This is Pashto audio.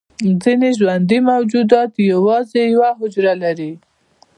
ځینې ژوندي موجودات یوازې یوه حجره لري